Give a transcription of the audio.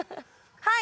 はい！